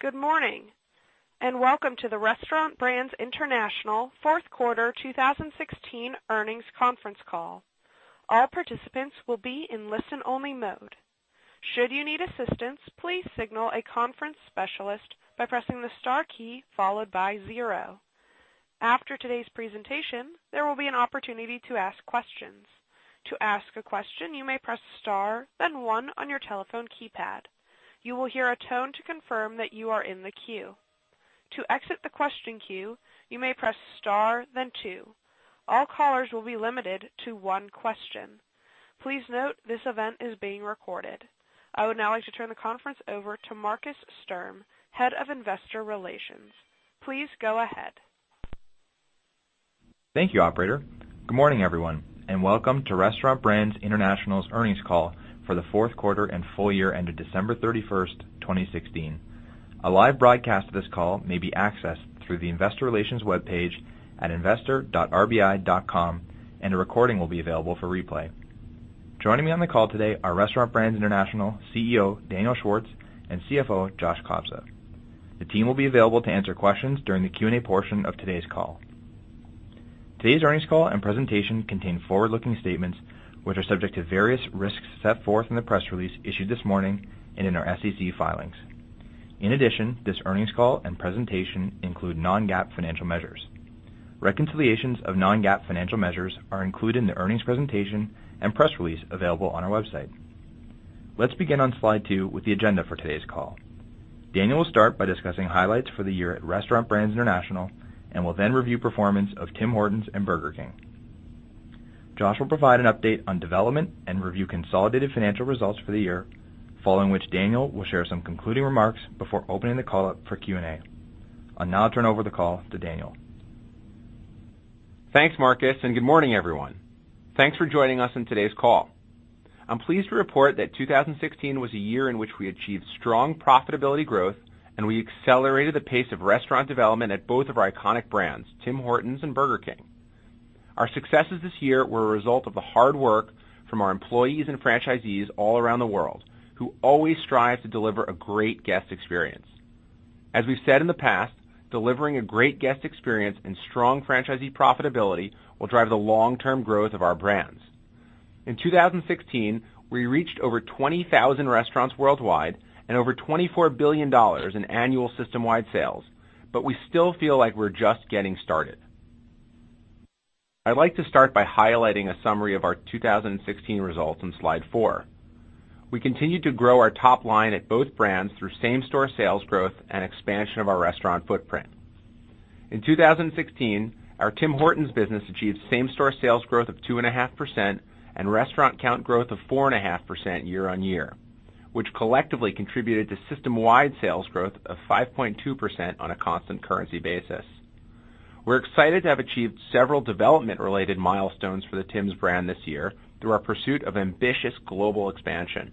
Good morning, and welcome to the Restaurant Brands International fourth quarter 2016 earnings conference call. All participants will be in listen-only mode. Should you need assistance, please signal a conference specialist by pressing the star key followed by zero. After today's presentation, there will be an opportunity to ask questions. To ask a question, you may press star, then one on your telephone keypad. You will hear a tone to confirm that you are in the queue. To exit the question queue, you may press star then two. All callers will be limited to one question. Please note this event is being recorded. I would now like to turn the conference over to Markus Sturm, Head of Investor Relations. Please go ahead. Thank you, operator. Good morning, everyone, and welcome to Restaurant Brands International's earnings call for the fourth quarter and full year ended December 31st, 2016. A live broadcast of this call may be accessed through the investor relations webpage at investor.rbi.com, and a recording will be available for replay. Joining me on the call today are Restaurant Brands International CEO, Daniel Schwartz, and CFO, Joshua Kobza. The team will be available to answer questions during the Q&A portion of today's call. Today's earnings call and presentation contain forward-looking statements, which are subject to various risks set forth in the press release issued this morning and in our SEC filings. In addition, this earnings call and presentation include non-GAAP financial measures. Reconciliations of non-GAAP financial measures are included in the earnings presentation and press release available on our website. Let's begin on slide two with the agenda for today's call. I'll now turn over the call to Daniel. Daniel will start by discussing highlights for the year at Restaurant Brands International and will then review performance of Tim Hortons and Burger King. Josh will provide an update on development and review consolidated financial results for the year, following which Daniel will share some concluding remarks before opening the call up for Q&A. I'll now turn over the call to Daniel. Thanks, Markus, and good morning, everyone. Thanks for joining us on today's call. I'm pleased to report that 2016 was a year in which we achieved strong profitability growth and we accelerated the pace of restaurant development at both of our iconic brands, Tim Hortons and Burger King. Our successes this year were a result of the hard work from our employees and franchisees all around the world, who always strive to deliver a great guest experience. As we've said in the past, delivering a great guest experience and strong franchisee profitability will drive the long-term growth of our brands. In 2016, we reached over 20,000 restaurants worldwide and over $24 billion in annual system-wide sales, but we still feel like we're just getting started. I'd like to start by highlighting a summary of our 2016 results on slide four. We continued to grow our top line at both brands through same-store sales growth and expansion of our restaurant footprint. In 2016, our Tim Hortons business achieved same-store sales growth of 2.5% and restaurant count growth of 4.5% year-on-year, which collectively contributed to system-wide sales growth of 5.2% on a constant currency basis. We're excited to have achieved several development-related milestones for the Tims brand this year through our pursuit of ambitious global expansion.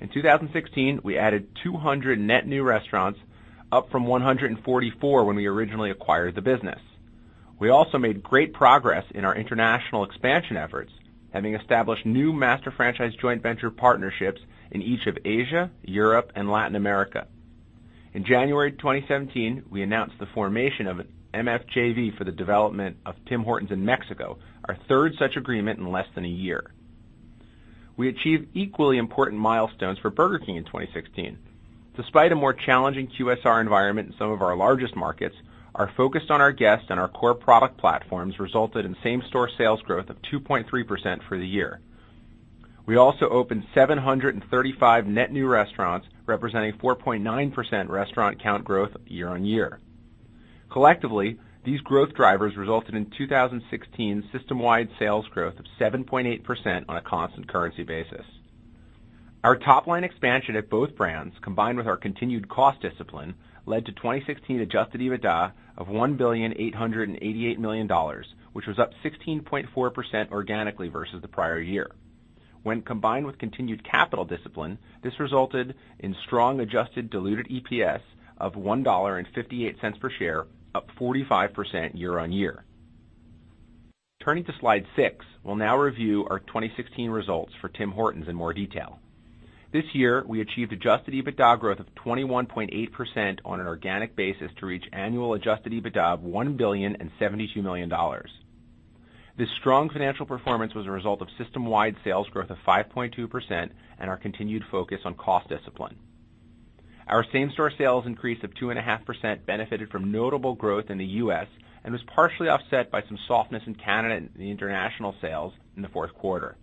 In 2016, we added 200 net new restaurants, up from 144 when we originally acquired the business. We also made great progress in our international expansion efforts, having established new master franchise joint venture partnerships in each of Asia, Europe, and Latin America. In January 2017, we announced the formation of an MFJV for the development of Tim Hortons in Mexico, our third such agreement in less than a year. We achieved equally important milestones for Burger King in 2016. Despite a more challenging QSR environment in some of our largest markets, our focus on our guests and our core product platforms resulted in same-store sales growth of 2.3% for the year. We also opened 735 net new restaurants, representing 4.9% restaurant count growth year-on-year. Collectively, these growth drivers resulted in 2016 system-wide sales growth of 7.8% on a constant currency basis. Our top-line expansion at both brands, combined with our continued cost discipline, led to 2016 adjusted EBITDA of $1.888 billion, which was up 16.4% organically versus the prior year. When combined with continued capital discipline, this resulted in strong adjusted diluted EPS of $1.58 per share, up 45% year-on-year. Turning to slide six, we'll now review our 2016 results for Tim Hortons in more detail. This year, we achieved adjusted EBITDA growth of 21.8% on an organic basis to reach annual adjusted EBITDA of $1,072 million. This strong financial performance was a result of system-wide sales growth of 5.2% and our continued focus on cost discipline. Our same-store sales increase of 2.5% benefited from notable growth in the U.S. and was partially offset by some softness in Canada and the international sales in the fourth quarter.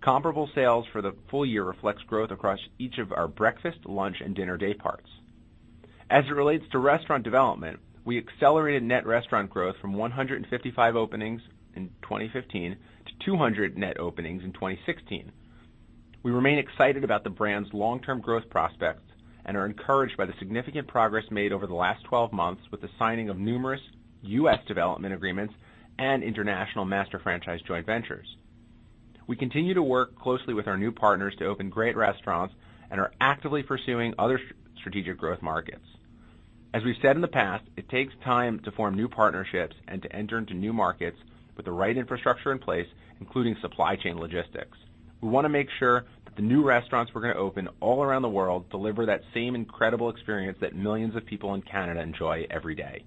Comparable sales for the full year reflects growth across each of our breakfast, lunch, and dinner day parts. As it relates to restaurant development, we accelerated net restaurant growth from 155 openings in 2015 to 200 net openings in 2016. We remain excited about the brand's long-term growth prospects and are encouraged by the significant progress made over the last 12 months with the signing of numerous U.S. development agreements and international master franchise joint ventures. We continue to work closely with our new partners to open great restaurants and are actively pursuing other strategic growth markets. As we've said in the past, it takes time to form new partnerships and to enter into new markets with the right infrastructure in place, including supply chain logistics. We want to make sure that the new restaurants we're going to open all around the world deliver that same incredible experience that millions of people in Canada enjoy every day.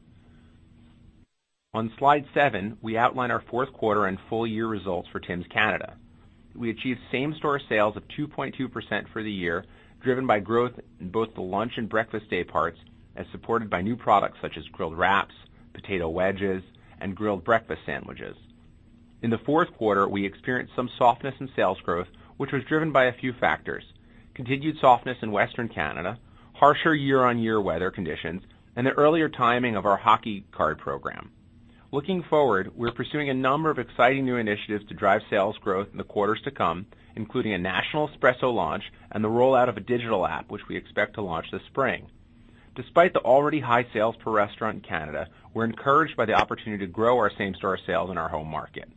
On slide seven, we outline our fourth quarter and full year results for Tims Canada. We achieved same-store sales of 2.2% for the year, driven by growth in both the lunch and breakfast day parts as supported by new products such as grilled wraps, potato wedges, and grilled breakfast sandwiches. In the fourth quarter, we experienced some softness in sales growth, which was driven by a few factors, continued softness in Western Canada, harsher year-on-year weather conditions, and the earlier timing of our hockey card program. Looking forward, we are pursuing a number of exciting new initiatives to drive sales growth in the quarters to come, including a national espresso launch and the rollout of a digital app, which we expect to launch this spring. Despite the already high sales per restaurant in Canada, we are encouraged by the opportunity to grow our same-store sales in our home market.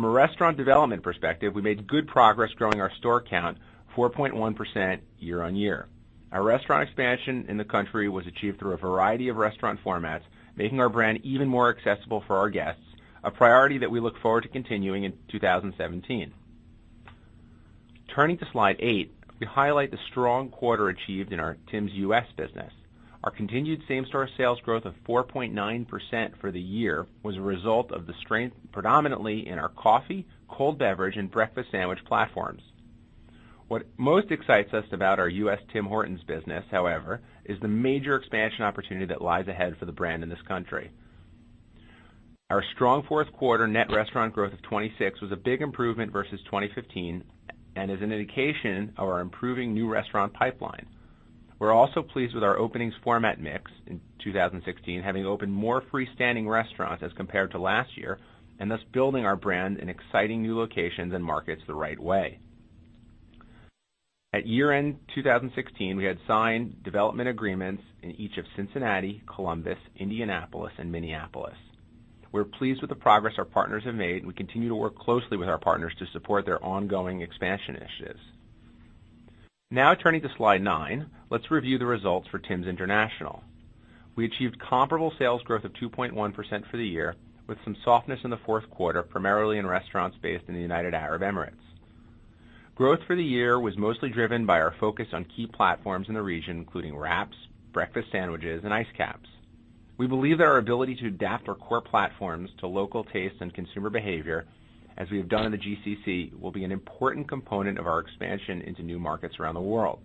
From a restaurant development perspective, we made good progress growing our store count 4.1% year-on-year. Our restaurant expansion in the country was achieved through a variety of restaurant formats, making our brand even more accessible for our guests, a priority that we look forward to continuing in 2017. Turning to slide eight, we highlight the strong quarter achieved in our Tims U.S. business. Our continued same-store sales growth of 4.9% for the year was a result of the strength predominantly in our coffee, cold beverage, and breakfast sandwich platforms. What most excites us about our U.S. Tim Hortons business, however, is the major expansion opportunity that lies ahead for the brand in this country. Our strong fourth quarter net restaurant growth of 26 was a big improvement versus 2015 and is an indication of our improving new restaurant pipeline. We are also pleased with our openings format mix in 2016, having opened more freestanding restaurants as compared to last year, and thus building our brand in exciting new locations and markets the right way. At year-end 2016, we had signed development agreements in each of Cincinnati, Columbus, Indianapolis, and Minneapolis. We are pleased with the progress our partners have made. We continue to work closely with our partners to support their ongoing expansion initiatives. Turning to slide nine, let us review the results for Tims International. We achieved comparable sales growth of 2.1% for the year, with some softness in the fourth quarter, primarily in restaurants based in the United Arab Emirates. Growth for the year was mostly driven by our focus on key platforms in the region, including wraps, breakfast sandwiches, and Iced Capps. We believe that our ability to adapt our core platforms to local tastes and consumer behavior, as we have done in the GCC, will be an important component of our expansion into new markets around the world.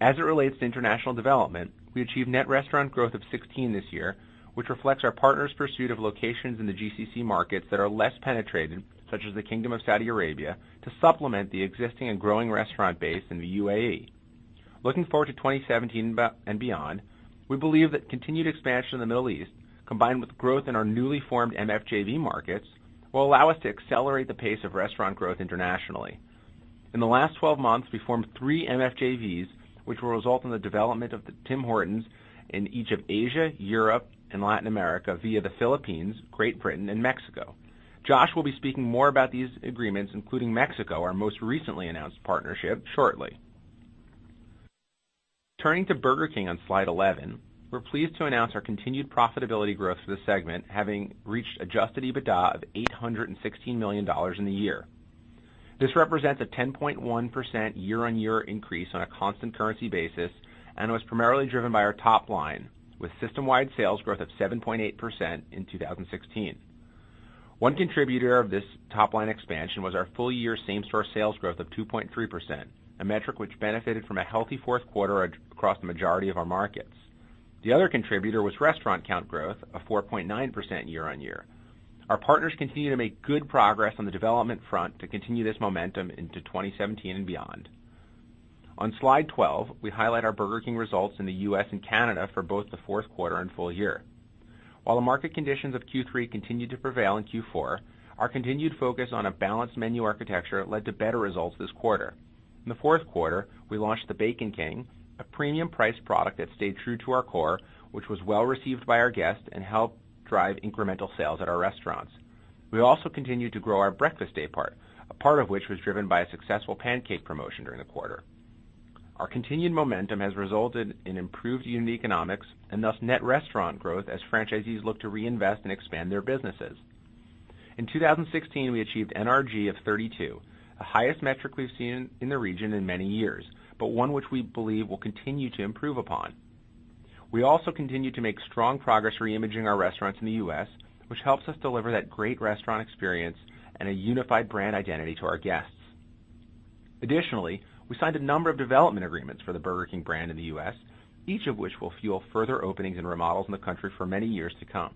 As it relates to international development, we achieved net restaurant growth of 16 this year, which reflects our partners' pursuit of locations in the GCC markets that are less penetrated, such as the Kingdom of Saudi Arabia, to supplement the existing and growing restaurant base in the UAE. Looking forward to 2017 and beyond, we believe that continued expansion in the Middle East, combined with growth in our newly formed MFJV markets, will allow us to accelerate the pace of restaurant growth internationally. In the last 12 months, we formed three MFJVs, which will result in the development of the Tim Hortons in each of Asia, Europe, and Latin America via the Philippines, Great Britain, and Mexico. Josh will be speaking more about these agreements, including Mexico, our most recently announced partnership, shortly. Turning to Burger King on slide 11, we're pleased to announce our continued profitability growth for the segment, having reached adjusted EBITDA of $816 million in the year. This represents a 10.1% year-on-year increase on a constant currency basis, and was primarily driven by our top line, with system-wide sales growth of 7.8% in 2016. One contributor of this top-line expansion was our full-year same-store sales growth of 2.3%, a metric which benefited from a healthy fourth quarter across the majority of our markets. The other contributor was restaurant count growth of 4.9% year-on-year. Our partners continue to make good progress on the development front to continue this momentum into 2017 and beyond. On slide 12, we highlight our Burger King results in the U.S. and Canada for both the fourth quarter and full year. While the market conditions of Q3 continued to prevail in Q4, our continued focus on a balanced menu architecture led to better results this quarter. In the fourth quarter, we launched the Bacon King, a premium-priced product that stayed true to our core, which was well-received by our guests and helped drive incremental sales at our restaurants. We also continued to grow our breakfast day part, a part of which was driven by a successful pancake promotion during the quarter. Our continued momentum has resulted in improved unit economics and thus net restaurant growth as franchisees look to reinvest and expand their businesses. In 2016, we achieved NRG of 32, the highest metric we've seen in the region in many years, but one which we believe we'll continue to improve upon. We also continue to make strong progress reimaging our restaurants in the U.S., which helps us deliver that great restaurant experience and a unified brand identity to our guests. Additionally, we signed a number of development agreements for the Burger King brand in the U.S., each of which will fuel further openings and remodels in the country for many years to come.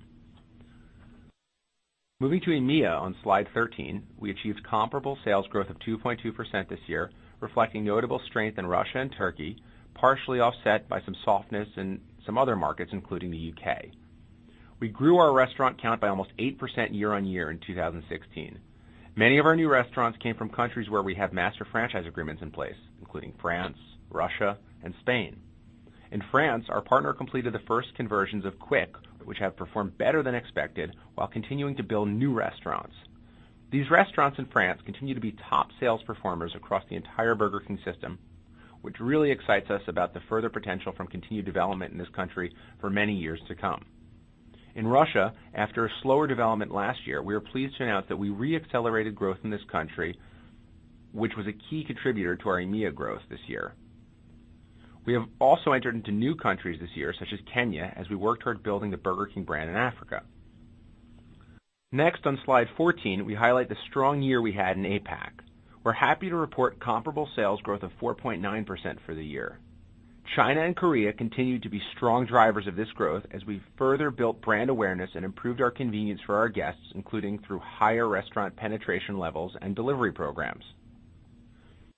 Moving to EMEA on slide 13, we achieved comparable sales growth of 2.2% this year, reflecting notable strength in Russia and Turkey, partially offset by some softness in some other markets, including the U.K. We grew our restaurant count by almost 8% year-on-year in 2016. Many of our new restaurants came from countries where we have master franchise agreements in place, including France, Russia, and Spain. In France, our partner completed the first conversions of Quick, which have performed better than expected while continuing to build new restaurants. These restaurants in France continue to be top sales performers across the entire Burger King system, which really excites us about the further potential from continued development in this country for many years to come. In Russia, after a slower development last year, we are pleased to announce that we re-accelerated growth in this country, which was a key contributor to our EMEA growth this year. We have also entered into new countries this year, such as Kenya, as we work toward building the Burger King brand in Africa. Next, on slide 14, we highlight the strong year we had in APAC. We're happy to report comparable sales growth of 4.9% for the year. China and Korea continued to be strong drivers of this growth as we further built brand awareness and improved our convenience for our guests, including through higher restaurant penetration levels and delivery programs.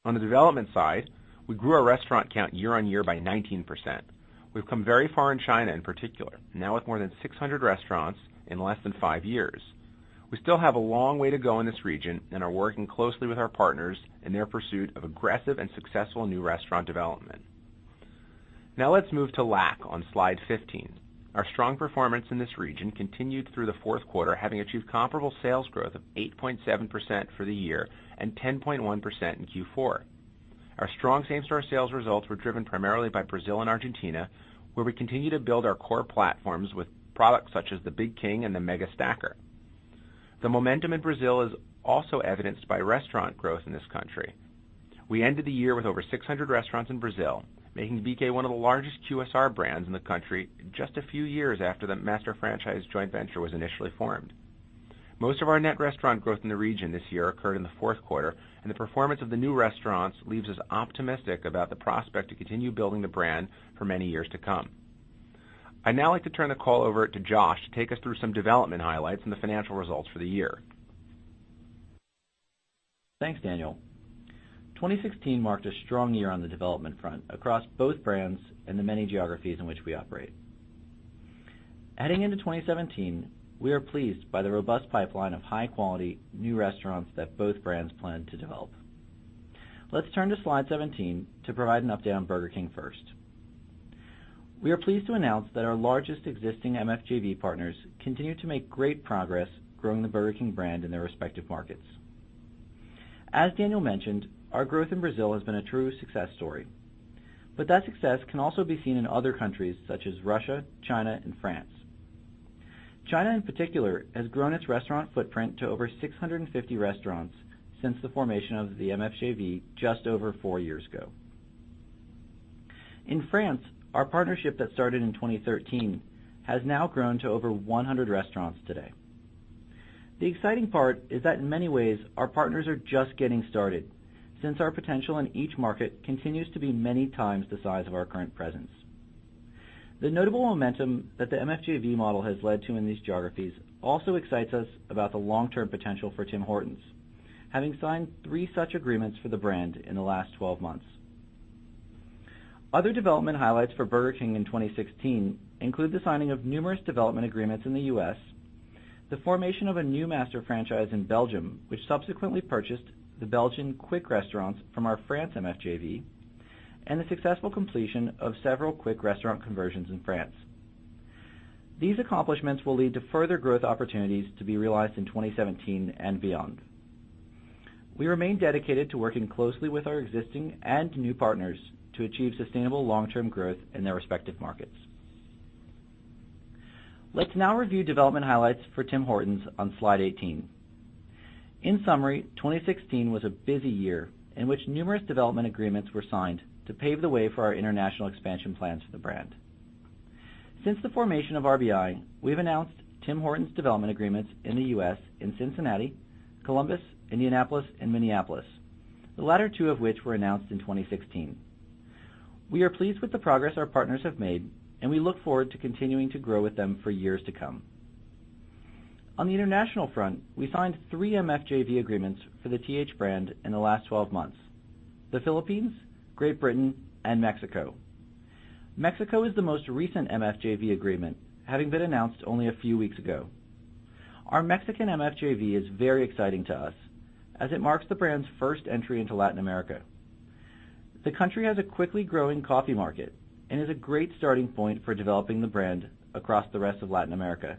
On the development side, we grew our restaurant count year-over-year by 19%. We've come very far in China in particular, now with more than 600 restaurants in less than five years. We still have a long way to go in this region and are working closely with our partners in their pursuit of aggressive and successful new restaurant development. Let's move to LAC on slide 15. Our strong performance in this region continued through the fourth quarter, having achieved comparable sales growth of 8.7% for the year and 10.1% in Q4. Our strong same-store sales results were driven primarily by Brazil and Argentina, where we continue to build our core platforms with products such as the Big King and the Mega Stacker. The momentum in Brazil is also evidenced by restaurant growth in this country. We ended the year with over 600 restaurants in Brazil, making BK one of the largest QSR brands in the country just a few years after the master franchise joint venture was initially formed. Most of our net restaurant growth in the region this year occurred in the fourth quarter. The performance of the new restaurants leaves us optimistic about the prospect to continue building the brand for many years to come. I'd now like to turn the call over to Josh to take us through some development highlights and the financial results for the year. Thanks, Daniel. 2016 marked a strong year on the development front across both brands and the many geographies in which we operate. Heading into 2017, we are pleased by the robust pipeline of high-quality new restaurants that both brands plan to develop. Let's turn to slide 17 to provide an update on Burger King first. We are pleased to announce that our largest existing MFJV partners continue to make great progress growing the Burger King brand in their respective markets. As Daniel mentioned, our growth in Brazil has been a true success story. That success can also be seen in other countries such as Russia, China and France. China, in particular, has grown its restaurant footprint to over 650 restaurants since the formation of the MFJV just over four years ago. In France, our partnership that started in 2013 has now grown to over 100 restaurants today. The exciting part is that in many ways, our partners are just getting started since our potential in each market continues to be many times the size of our current presence. The notable momentum that the MFJV model has led to in these geographies also excites us about the long-term potential for Tim Hortons, having signed three such agreements for the brand in the last 12 months. Other development highlights for Burger King in 2016 include the signing of numerous development agreements in the U.S., the formation of a new master franchise in Belgium, which subsequently purchased the Belgian Quick restaurants from our France MFJV. The successful completion of several Quick restaurant conversions in France. These accomplishments will lead to further growth opportunities to be realized in 2017 and beyond. We remain dedicated to working closely with our existing and new partners to achieve sustainable long-term growth in their respective markets. Let's now review development highlights for Tim Hortons on slide 18. In summary, 2016 was a busy year in which numerous development agreements were signed to pave the way for our international expansion plans for the brand. Since the formation of RBI, we've announced Tim Hortons development agreements in the U.S. in Cincinnati, Columbus, Indianapolis and Minneapolis, the latter two of which were announced in 2016. We are pleased with the progress our partners have made, and we look forward to continuing to grow with them for years to come. On the international front, we signed three MFJV agreements for the TH brand in the last 12 months: the Philippines, Great Britain and Mexico. Mexico is the most recent MFJV agreement, having been announced only a few weeks ago. Our Mexican MFJV is very exciting to us, as it marks the brand's first entry into Latin America. The country has a quickly growing coffee market and is a great starting point for developing the brand across the rest of Latin America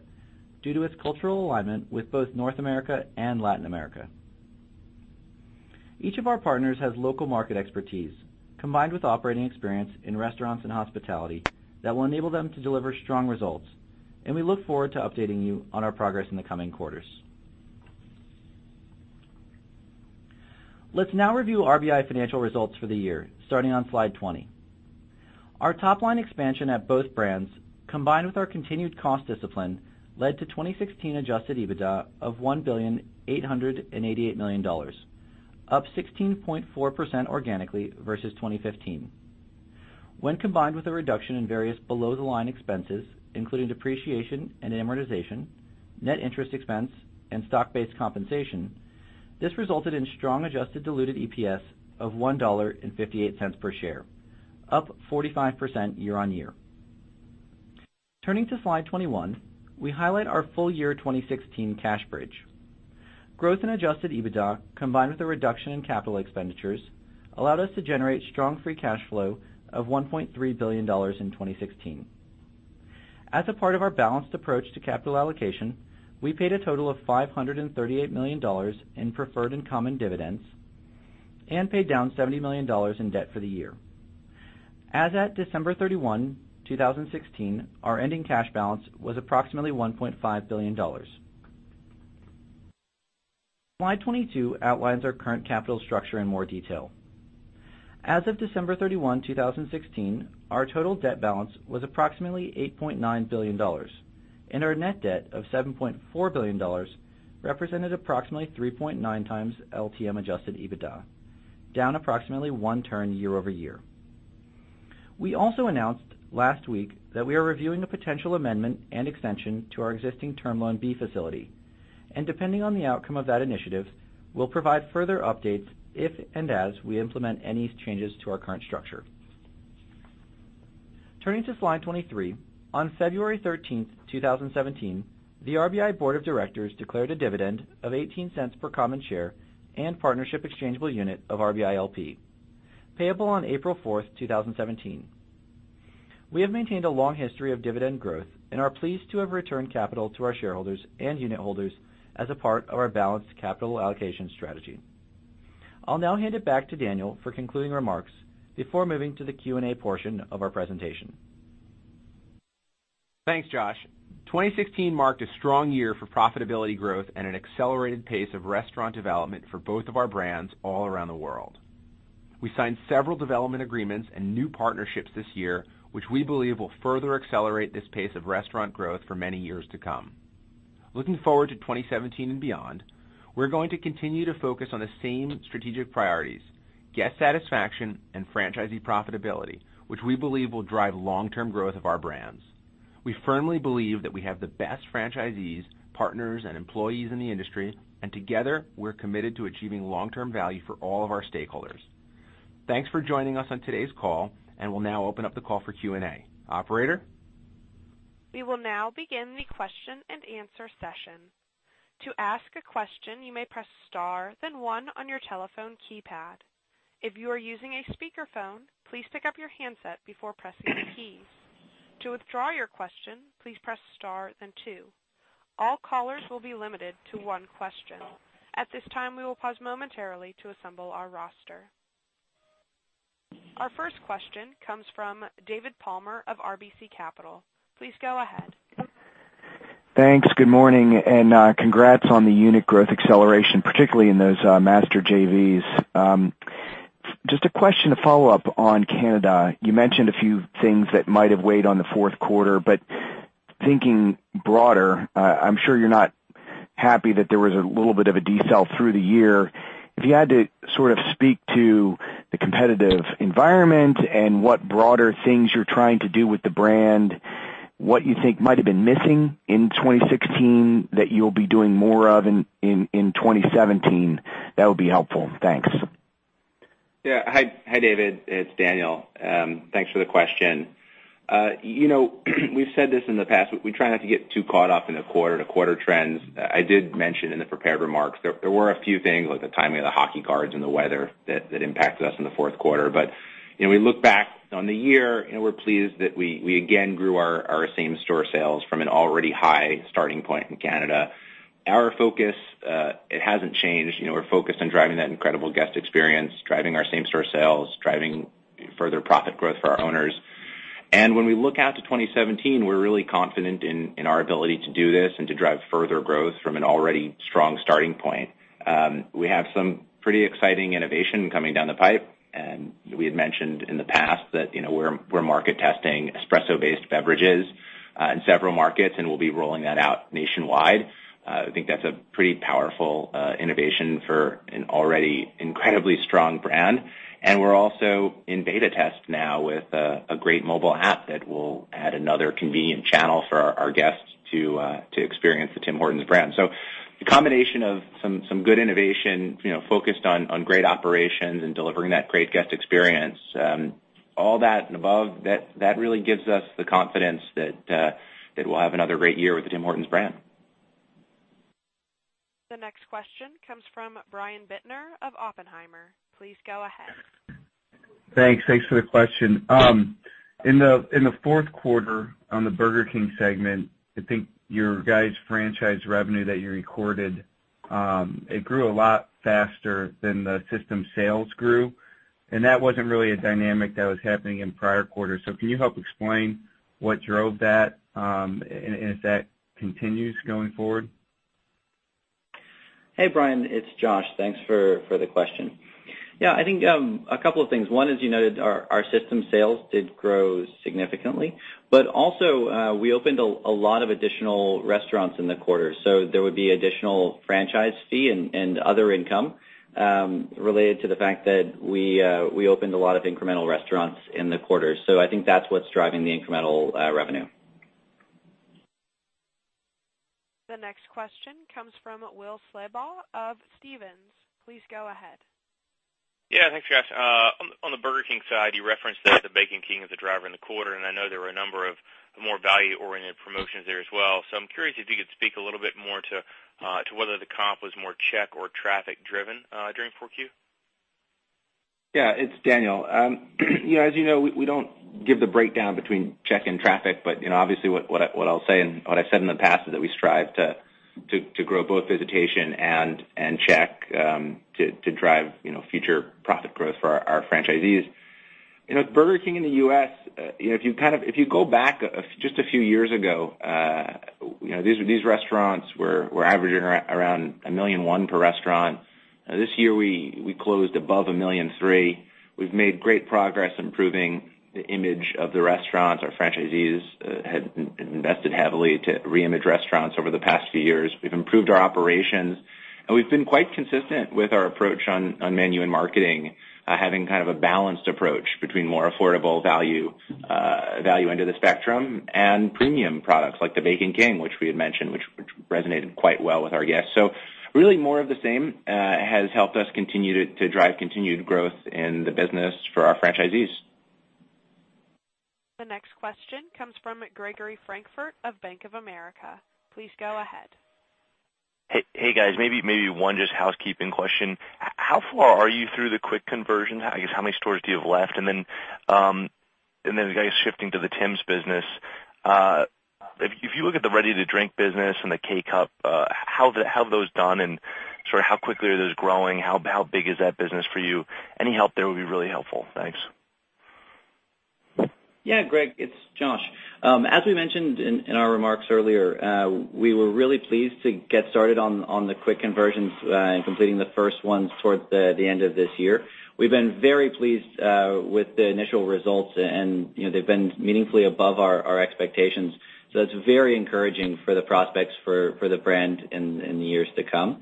due to its cultural alignment with both North America and Latin America. Each of our partners has local market expertise combined with operating experience in restaurants and hospitality that will enable them to deliver strong results, and we look forward to updating you on our progress in the coming quarters. Let's now review RBI financial results for the year, starting on slide 20. Our top-line expansion at both brands, combined with our continued cost discipline, led to 2016 adjusted EBITDA of $1.888 billion, up 16.4% organically versus 2015. When combined with a reduction in various below-the-line expenses, including depreciation and amortization, net interest expense, and stock-based compensation, this resulted in strong adjusted diluted EPS of $1.58 per share, up 45% year-on-year. Turning to slide 21, we highlight our full year 2016 cash bridge. Growth in adjusted EBITDA, combined with a reduction in capital expenditures, allowed us to generate strong free cash flow of $1.3 billion in 2016. As a part of our balanced approach to capital allocation, we paid a total of $538 million in preferred and common dividends and paid down $70 million in debt for the year. As at December 31, 2016, our ending cash balance was approximately $1.5 billion. Slide 22 outlines our current capital structure in more detail. As of December 31, 2016, our total debt balance was approximately $8.9 billion, and our net debt of $7.4 billion represented approximately 3.9x LTM adjusted EBITDA, down approximately one turn year-over-year. We also announced last week that we are reviewing a potential amendment and extension to our existing Term Loan B facility, and depending on the outcome of that initiative, we'll provide further updates if and as we implement any changes to our current structure. Turning to slide 23. On February 13, 2017, the RBI Board of Directors declared a dividend of $0.18 per common share and partnership exchangeable unit of RBILP, payable on April 4th, 2017. We have maintained a long history of dividend growth and are pleased to have returned capital to our shareholders and unitholders as a part of our balanced capital allocation strategy. I'll now hand it back to Daniel for concluding remarks before moving to the Q&A portion of our presentation. Thanks, Josh. 2016 marked a strong year for profitability growth and an accelerated pace of restaurant development for both of our brands all around the world. We signed several development agreements and new partnerships this year, which we believe will further accelerate this pace of restaurant growth for many years to come. Looking forward to 2017 and beyond, we're going to continue to focus on the same strategic priorities, guest satisfaction, and franchisee profitability, which we believe will drive long-term growth of our brands. We firmly believe that we have the best franchisees, partners, and employees in the industry, and together, we're committed to achieving long-term value for all of our stakeholders. Thanks for joining us on today's call, and we'll now open up the call for Q&A. Operator? We will now begin the question and answer session. To ask a question, you may press star then one on your telephone keypad. If you are using a speakerphone, please pick up your handset before pressing the keys. To withdraw your question, please press star then two. All callers will be limited to one question. At this time, we will pause momentarily to assemble our roster. Our first question comes from David Palmer of RBC Capital. Please go ahead. Thanks. Good morning, congrats on the unit growth acceleration, particularly in those master JVs. Just a question to follow up on Canada. You mentioned a few things that might have weighed on the fourth quarter, but thinking broader, I'm sure you're not happy that there was a little bit of a decel through the year. If you had to sort of speak to the competitive environment and what broader things you're trying to do with the brand, what you think might have been missing in 2016 that you'll be doing more of in 2017, that would be helpful. Thanks. Hi, David. It's Daniel. Thanks for the question. We've said this in the past, we try not to get too caught up in the quarter-to-quarter trends. I did mention in the prepared remarks there were a few things like the timing of the hockey cards and the weather that impacted us in the fourth quarter. We look back on the year, and we're pleased that we again grew our same-store sales from an already high starting point in Canada. Our focus, it hasn't changed. We're focused on driving that incredible guest experience, driving our same-store sales, driving further profit growth for our owners. When we look out to 2017, we're really confident in our ability to do this and to drive further growth from an already strong starting point. We have some pretty exciting innovation coming down the pipe, we had mentioned in the past that we're market testing espresso-based beverages in several markets, and we'll be rolling that out nationwide. I think that's a pretty powerful innovation for an already incredibly strong brand. We're also in beta test now with a great mobile app that will add another convenient channel for our guests to experience the Tim Hortons brand. The combination of some good innovation, focused on great operations and delivering that great guest experience, all that and above, that really gives us the confidence that we'll have another great year with the Tim Hortons brand. The next question comes from Brian Bittner of Oppenheimer. Please go ahead. Thanks for the question. In the fourth quarter, on the Burger King segment, I think your guys' franchise revenue that you recorded, it grew a lot faster than the system sales grew, and that wasn't really a dynamic that was happening in prior quarters. Can you help explain what drove that, and if that continues going forward? Hey, Brian, it's Josh. Thanks for the question. I think a couple of things. One, as you noted, our system sales did grow significantly. Also, we opened a lot of additional restaurants in the quarter. There would be additional franchise fee and other income related to the fact that we opened a lot of incremental restaurants in the quarter. I think that's what's driving the incremental revenue. The next question comes from Will Slabaugh of Stephens. Please go ahead. Thanks, Josh. On the Burger King side, you referenced that the Bacon King is the driver in the quarter, and I know there were a number of more value-oriented promotions there as well. I'm curious if you could speak a little bit more to whether the comp was more check or traffic driven during 4Q. It's Daniel. As you know, we don't give the breakdown between check and traffic. Obviously, what I'll say and what I've said in the past is that we strive to grow both visitation and check to drive future profit growth for our franchisees. Burger King in the U.S., if you go back just a few years ago, these restaurants were averaging around $1.1 million per restaurant. This year, we closed above $1.3 million. We've made great progress improving the image of the restaurants. Our franchisees have invested heavily to re-image restaurants over the past few years. We've improved our operations, and we've been quite consistent with our approach on menu and marketing, having kind of a balanced approach between more affordable value end of the spectrum, and premium products like the Bacon King, which we had mentioned, which resonated quite well with our guests. Really more of the same has helped us continue to drive continued growth in the business for our franchisees. The next question comes from Gregory Francfort of Bank of America. Please go ahead. Hey, guys. Maybe one just housekeeping question. How far are you through the Quick conversion? I guess how many stores do you have left? Then, I guess shifting to the Tims business. If you look at the ready to drink business and the K-Cup, how have those done and sort of how quickly are those growing? How big is that business for you? Any help there would be really helpful. Thanks. Yeah, Greg, it's Josh. As we mentioned in our remarks earlier, we were really pleased to get started on the Quick conversions, and completing the first ones towards the end of this year. We've been very pleased with the initial results and they've been meaningfully above our expectations. That's very encouraging for the prospects for the brand in the years to come.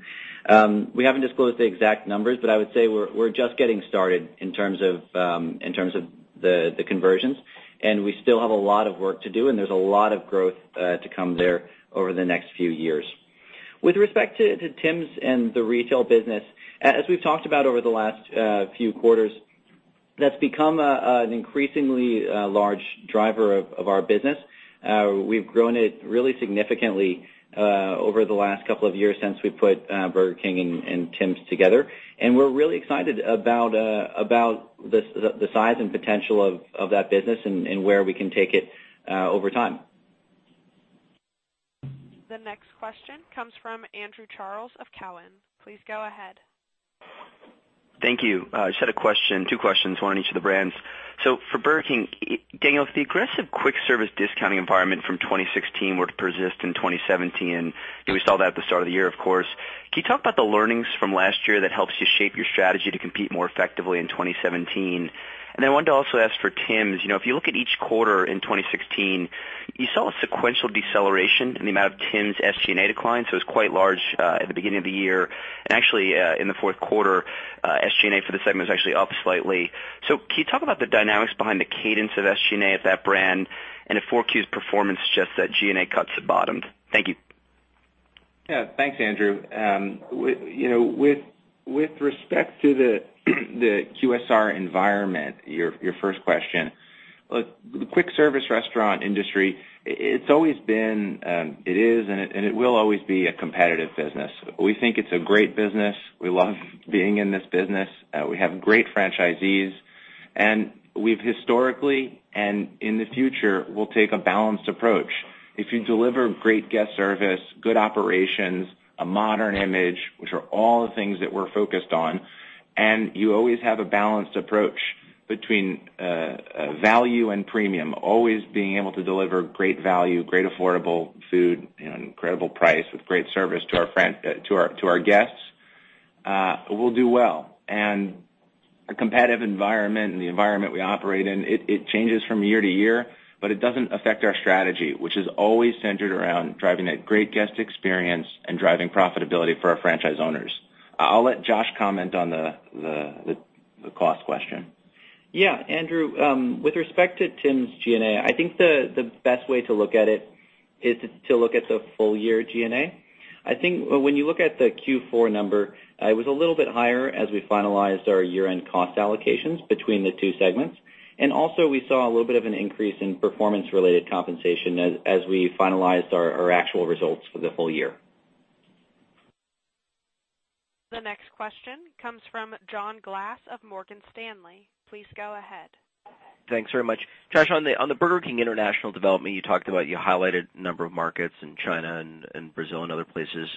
We haven't disclosed the exact numbers, but I would say we're just getting started in terms of the conversions, and we still have a lot of work to do, and there's a lot of growth to come there over the next few years. With respect to Tims and the retail business, as we've talked about over the last few quarters, that's become an increasingly large driver of our business. We've grown it really significantly over the last couple of years since we put Burger King and Tims together, and we're really excited about the size and potential of that business and where we can take it over time. The next question comes from Andrew Charles of Cowen. Please go ahead. Thank you. I just had a question, two questions, one on each of the brands. For Burger King, Daniel, if the aggressive quick service discounting environment from 2016 were to persist in 2017, and we saw that at the start of the year, of course. Can you talk about the learnings from last year that helps you shape your strategy to compete more effectively in 2017? I wanted to also ask for Tims, if you look at each quarter in 2016, you saw a sequential deceleration in the amount of Tims SG&A declines. It was quite large at the beginning of the year. Actually, in the fourth quarter, SG&A for the segment was actually up slightly. Can you talk about the dynamics behind the cadence of SG&A at that brand and if 4Q's performance suggests that G&A cuts have bottomed? Thank you. Yeah. Thanks, Andrew. With respect to the QSR environment, your first question. The quick service restaurant industry, it's always been, it is and it will always be a competitive business. We think it's a great business. We love being in this business. We have great franchisees, we've historically and in the future, will take a balanced approach. If you deliver great guest service, good operations, a modern image, which are all the things that we're focused on, you always have a balanced approach between value and premium, always being able to deliver great value, great affordable food and incredible price with great service to our guests will do well. A competitive environment and the environment we operate in, it changes from year to year, it doesn't affect our strategy, which is always centered around driving a great guest experience and driving profitability for our franchise owners. I'll let Josh comment on the cost question. Yeah. Andrew, with respect to Tims G&A, I think the best way to look at it is to look at the full year G&A. I think when you look at the Q4 number, it was a little bit higher as we finalized our year-end cost allocations between the two segments. Also we saw a little bit of an increase in performance-related compensation as we finalized our actual results for the full year. The next question comes from John Glass of Morgan Stanley. Please go ahead. Thanks very much. Josh, on the Burger King international development, you highlighted a number of markets in China and Brazil and other places.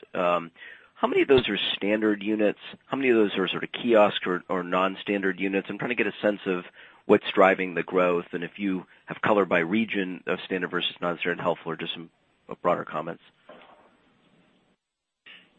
How many of those are standard units? How many of those are sort of kiosk or non-standard units? I'm trying to get a sense of what's driving the growth, and if you have color by region of standard versus non-standard, helpful, or just some broader comments.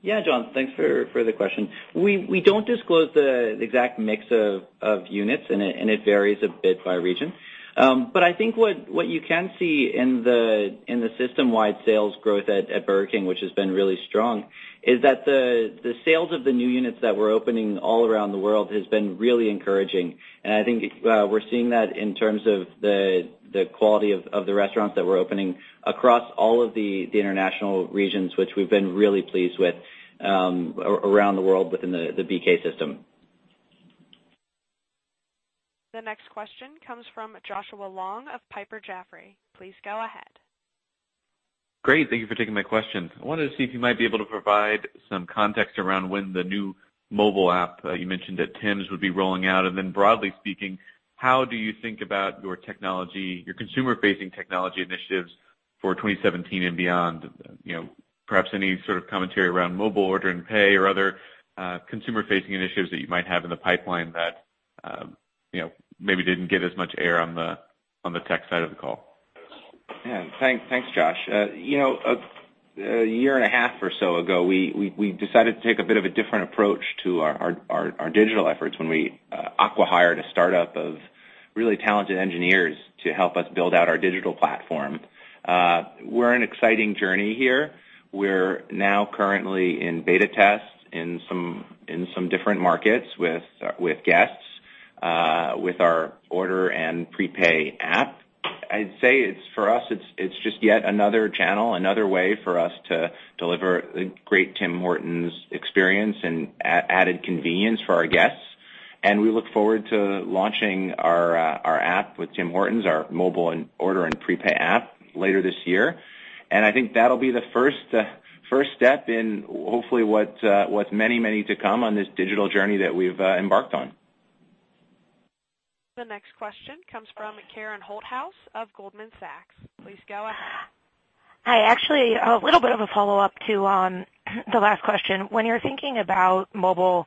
John, thanks for the question. We don't disclose the exact mix of units, and it varies a bit by region. I think what you can see in the system-wide sales growth at Burger King, which has been really strong, is that the sales of the new units that we're opening all around the world has been really encouraging. I think we're seeing that in terms of the quality of the restaurants that we're opening across all of the international regions, which we've been really pleased with around the world within the BK system. The next question comes from Joshua Long of Piper Jaffray. Please go ahead. Great. Thank you for taking my question. I wanted to see if you might be able to provide some context around when the new mobile app you mentioned at Tims would be rolling out, and then broadly speaking, how do you think about your consumer-facing technology initiatives for 2017 and beyond? Perhaps any sort of commentary around mobile order and pay or other consumer-facing initiatives that you might have in the pipeline that maybe didn't get as much air on the tech side of the call. Thanks, Josh. A year and a half or so ago, we decided to take a bit of a different approach to our digital efforts when we acqui-hired a startup of really talented engineers to help us build out our digital platform. We're in an exciting journey here. We're now currently in beta tests in some different markets with guests, with our order and prepay app. I'd say for us, it's just yet another channel, another way for us to deliver a great Tim Hortons experience and added convenience for our guests. We look forward to launching our app with Tim Hortons, our mobile and order and prepay app later this year. I think that'll be the first step in hopefully what's many to come on this digital journey that we've embarked on. The next question comes from Karen Holthouse of Goldman Sachs. Please go ahead. Hi. Actually, a little bit of a follow-up to the last question. When you're thinking about more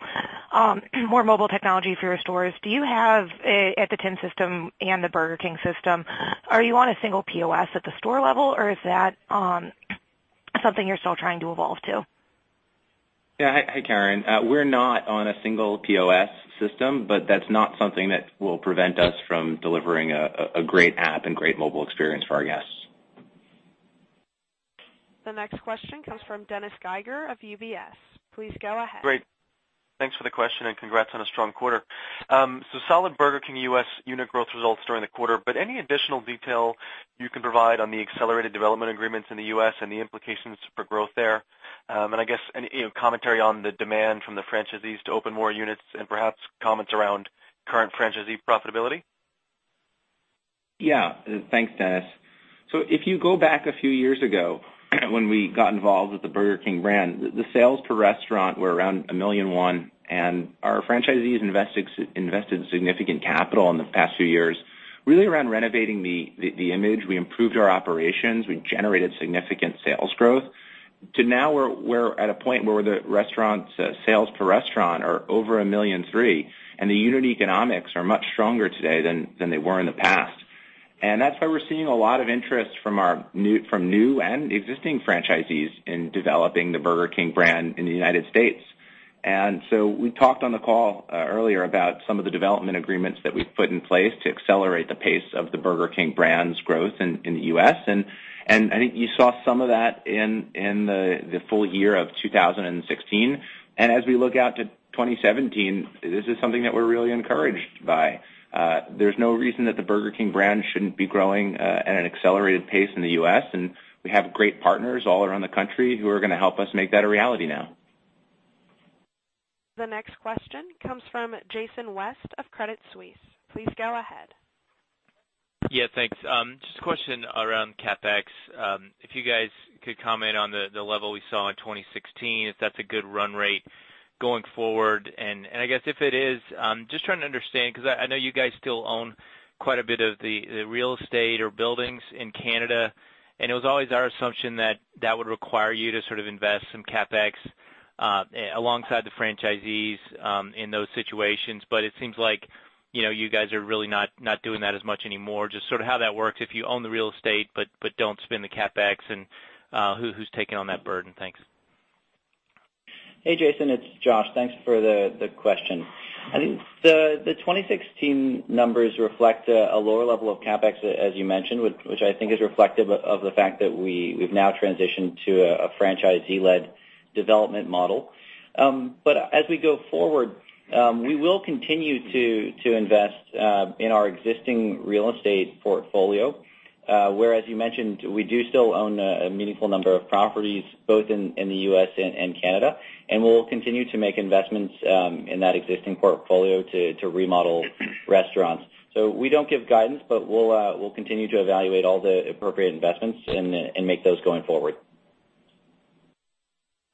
mobile technology for your stores, do you have, at the Tim system and the Burger King system, are you on a single POS at the store level, or is that something you're still trying to evolve to? Yeah. Hi, Karen. We're not on a single POS system, that's not something that will prevent us from delivering a great app and great mobile experience for our guests. The next question comes from Dennis Geiger of UBS. Please go ahead. Great. Thanks for the question, and congrats on a strong quarter. Solid Burger King U.S. unit growth results during the quarter, but any additional detail you can provide on the accelerated development agreements in the U.S. and the implications for growth there? I guess, any commentary on the demand from the franchisees to open more units and perhaps comments around current franchisee profitability? Yeah. Thanks, Dennis. If you go back a few years ago, when we got involved with the Burger King brand, the sales per restaurant were around $1.1 million, and our franchisees invested significant capital in the past few years, really around renovating the image. We improved our operations. We generated significant sales growth. To now we're at a point where the sales per restaurant are over $1.3 million, and the unit economics are much stronger today than they were in the past. That's why we're seeing a lot of interest from new and existing franchisees in developing the Burger King brand in the United States. We talked on the call earlier about some of the development agreements that we've put in place to accelerate the pace of the Burger King brand's growth in the U.S. I think you saw some of that in the full year of 2016. As we look out to 2017, this is something that we're really encouraged by. There's no reason that the Burger King brand shouldn't be growing at an accelerated pace in the U.S., and we have great partners all around the country who are going to help us make that a reality now. The next question comes from Jason West of Credit Suisse. Please go ahead. Thanks. Just a question around CapEx. If you guys could comment on the level we saw in 2016, if that's a good run rate going forward. I guess if it is, just trying to understand, because I know you guys still own quite a bit of the real estate or buildings in Canada, and it was always our assumption that that would require you to sort of invest some CapEx alongside the franchisees in those situations. It seems like you guys are really not doing that as much anymore. Sort of how that works if you own the real estate, but don't spend the CapEx, and who's taking on that burden? Thanks. Hey, Jason, it's Josh. Thanks for the question. I think the 2016 numbers reflect a lower level of CapEx, as you mentioned, which I think is reflective of the fact that we've now transitioned to a franchisee-led development model. As we go forward, we will continue to invest in our existing real estate portfolio, where, as you mentioned, we do still own a meaningful number of properties both in the U.S. and Canada, and we'll continue to make investments in that existing portfolio to remodel restaurants. We don't give guidance, but we'll continue to evaluate all the appropriate investments and make those going forward.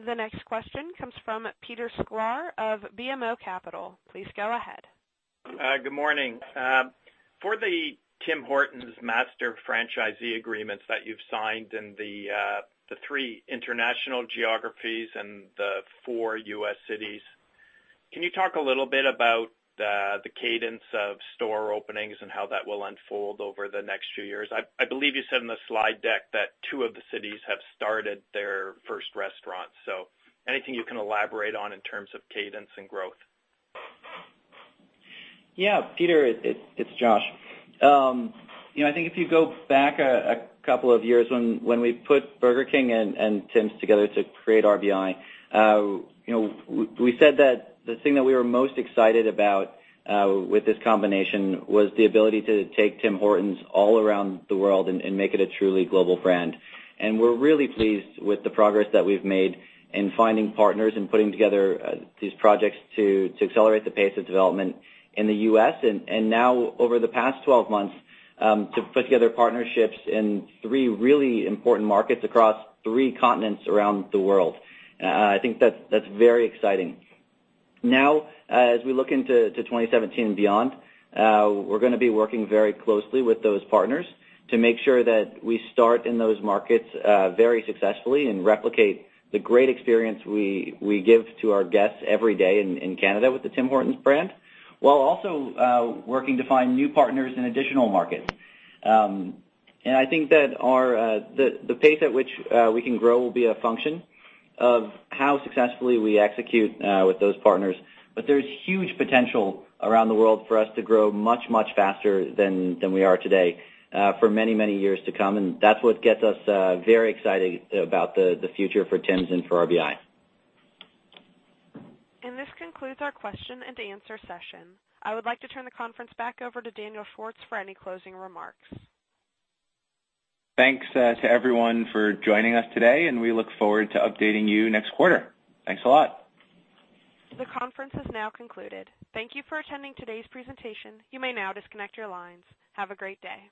The next question comes from Peter Sklar of BMO Capital. Please go ahead. Good morning. For the Tim Hortons master franchisee agreements that you've signed in the three international geographies and the four U.S. cities, can you talk a little bit about the cadence of store openings and how that will unfold over the next few years? I believe you said in the slide deck that two of the cities have started their first restaurant. Anything you can elaborate on in terms of cadence and growth? Yeah. Peter, it's Josh. I think if you go back a couple of years when we put Burger King and Tims together to create RBI, we said that the thing that we were most excited about with this combination was the ability to take Tim Hortons all around the world and make it a truly global brand. We're really pleased with the progress that we've made in finding partners and putting together these projects to accelerate the pace of development in the U.S. and now over the past 12 months, to put together partnerships in three really important markets across three continents around the world. I think that's very exciting. Now, as we look into 2017 and beyond, we're going to be working very closely with those partners to make sure that we start in those markets very successfully and replicate the great experience we give to our guests every day in Canada with the Tim Hortons brand, while also working to find new partners in additional markets. I think that the pace at which we can grow will be a function of how successfully we execute with those partners. There's huge potential around the world for us to grow much, much faster than we are today for many, many years to come. That's what gets us very excited about the future for Tims and for RBI. This concludes our question and answer session. I would like to turn the conference back over to Daniel Schwartz for any closing remarks. Thanks to everyone for joining us today, and we look forward to updating you next quarter. Thanks a lot. The conference is now concluded. Thank you for attending today's presentation. You may now disconnect your lines. Have a great day.